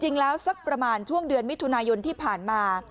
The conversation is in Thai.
สักประมาณช่วงเดือนมิถุนายนที่ผ่านมา